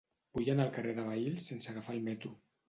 Vull anar al carrer de Vehils sense agafar el metro.